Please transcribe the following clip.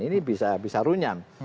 ini bisa runyam